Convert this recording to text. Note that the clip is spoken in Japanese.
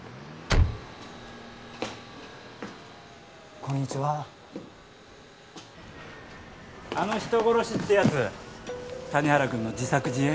こんにちはあの人殺しってやつ谷原君の自作自演？